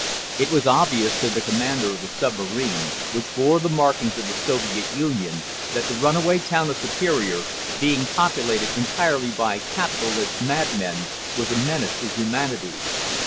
It was obvious to the commander of the submarine, which bore the markings of the Soviet Union, that the runaway town of Superior, being populated entirely by capitalist madmen, was a menace to humanity.